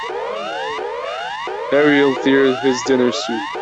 Harry'll tear his dinner suit.